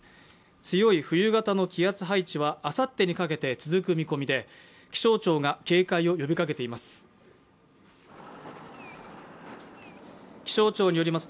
強い冬型の気圧配置はあさってにかけて続く見込みで、気象庁が警戒を呼びかけています。